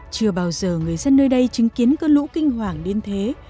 chưa bao giờ người dân nơi đây chứng kiến cơn lũ kinh hoàng điên thế